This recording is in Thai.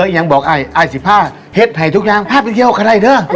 แล้วยังบอกไอ้ไอ้สิภาพเห็ดไทยทุกอย่างภาพยังเกี่ยวกับอะไรเนี่ย